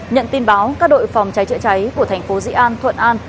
nhận tin báo các đội phòng cháy trựa cháy của thành phố dĩ an thuận an